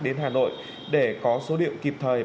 đến hà nội để có số lượng kịp thời